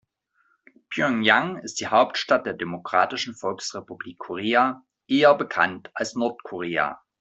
Pjöngjang ist die Hauptstadt der Demokratischen Volksrepublik Korea, eher bekannt als Nordkorea.